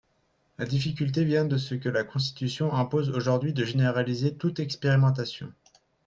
La difficulté vient de ce que la Constitution impose aujourd’hui de généraliser toute expérimentation.